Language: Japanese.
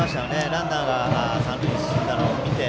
ランナーが三塁に進んだのを見て。